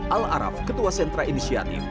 al araf ketua sentra inisiatif